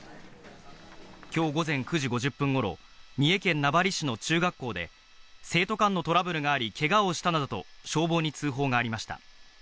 きょう午前９時５０分ごろ、三重県名張市の中学校で、生徒間のトラブルがあり、けがをしたなどと、消防に通報がありました。